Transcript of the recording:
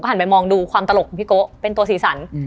หันไปมองดูความตลกของพี่โกะเป็นตัวสีสัน